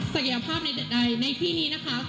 ศักยภาพในที่นี่นะคะ